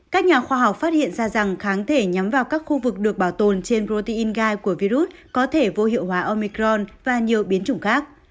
các nhà khoa học phát hiện ra rằng kháng thể nhắm vào các khu vực được bảo tồn trên protein gai của virus có thể vô hiệu hóa omicron và nhiều biến chủng khác